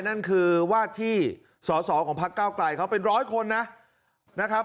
นั่นคือว่าที่สอสอของภาคเก้าไกลเป็นร้อยคนนะ